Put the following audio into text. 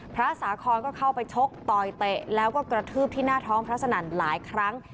พระสาคอนก็เข้าไปชกต่อยเตะแล้วก็กระทืบที่หน้าท้องพระสนั่นหลายครั้ง